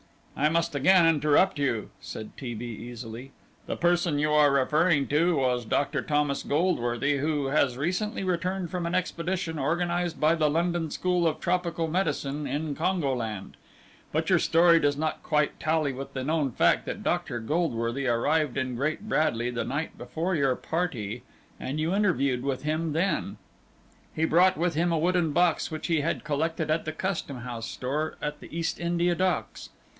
"I must again interrupt you," said T. B. easily. "The person you are referring to was Dr. Thomas Goldworthy, who has recently returned from an expedition organized by the London School of Tropical Medicine, in Congoland; but your story does not quite tally with the known fact that Dr. Goldworthy arrived in Great Bradley the night before your party, and you interviewed him then. He brought with him a wooden box which he had collected at the Custom House store at the East India Docks.